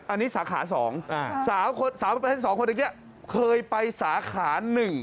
อันนี้สาขา๒สาวประเภท๒คนเมื่อกี้เคยไปสาขา๑